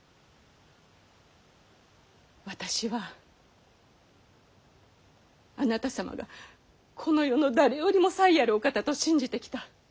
私はあなた様がこの世の誰よりも才あるお方と信じてきた。